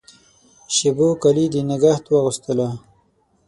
شېبو کالي د نګهت واغوستله